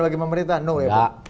bagi pemerintah enggak